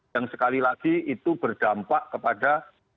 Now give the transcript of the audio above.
yang sekali lagi itu berdampak kepada